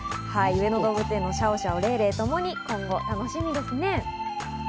上野動物園のシャオシャオ、レイレイとともに今後が楽しみですね。